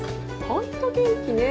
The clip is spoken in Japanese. ホント元気ね。